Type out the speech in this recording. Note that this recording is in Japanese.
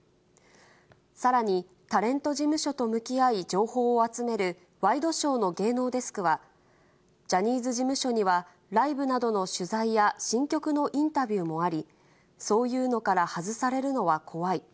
さらに、タレント事務所と向き合い、情報を集めるワイドショーの芸能デスクは、ジャニーズ事務所には、ライブなどの取材や新曲のインタビューもあり、そういうのから外されるのは怖い。